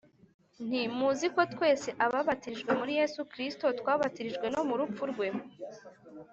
Nti muziko twese ababatirijwe muri yesu kirisito twabatirijwe no mupfu rwe?